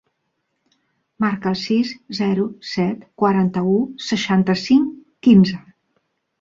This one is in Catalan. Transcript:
Marca el sis, zero, set, quaranta-u, seixanta-cinc, quinze.